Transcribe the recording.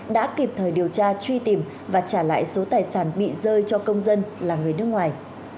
đã kịp thời điều tra truy tìm và trả lại số tài sản bị rơi cho công dân là người nước ngoài